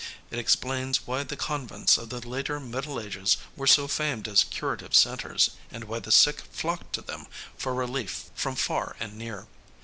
It explains why the convents of the later Middle Ages were so famed as curative centers and why the sick flocked to them for relief from far and near.